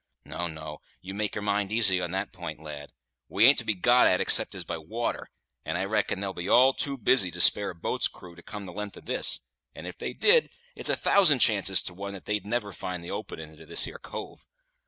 No, no; you make your mind easy on that p'int, lad; we ain't to be got at except 'tis by water, and I reckon they'll be all too busy to spare a boat's crew to come the length of this; and if they did, it's a thousand chances to one that they'd never find the openin' into this here cove.